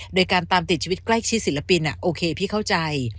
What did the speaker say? โดยการตามติดชีวิตใกล้ชิดศิลปินโอเคพี่เข้าใจ